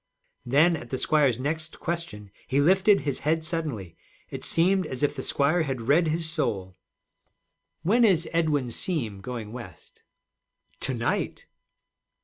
Then, at the squire's next question, he lifted his head suddenly. It seemed as if the squire had read his soul. 'When is Edwin Seem going West?' 'To night.'